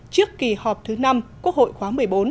trước kỳ họp thứ năm quốc hội khóa một mươi bốn